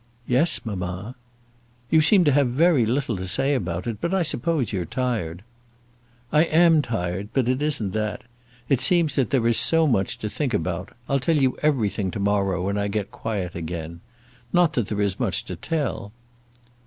"Yes, mamma." "You seem to have very little to say about it; but I suppose you're tired." "I am tired, but it isn't that. It seems that there is so much to think about. I'll tell you everything to morrow, when I get quiet again. Not that there is much to tell."